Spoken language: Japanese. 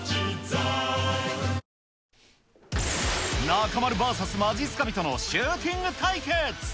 中丸ＶＳまじっすか人のシューティング対決。